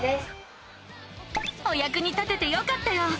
おやくに立ててよかったよ！